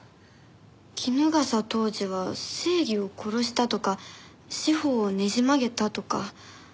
衣笠藤治は正義を殺したとか司法をねじ曲げたとか。